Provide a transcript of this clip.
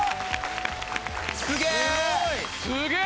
すげえ！